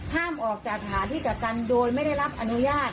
ห้ามออกจากสถานที่กักกันโดยไม่ได้รับอนุญาต